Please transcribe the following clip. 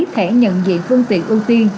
thể nhận diện phương tiện ưu tiên